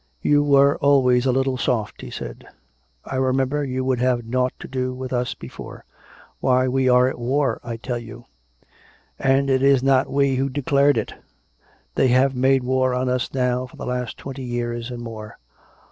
" You were always a little soft," he said. " I remember you would have nought to do with us before. Why, we are at war, I tell you ; and it is not we who declared it ! They have made war on us now for the last twenty years and more.